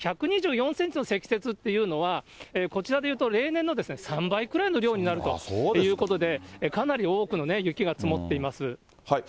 １２４センチの積雪っていうのは、こちらでいうと、例年の３倍くらいの量になるということで、かなり多くの雪が積もっています。